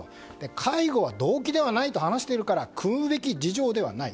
介護は動機ではないと話しているからくむべき事情ではない。